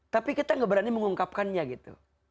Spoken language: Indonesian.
tapi kita gak berani mengungkapkannya gitu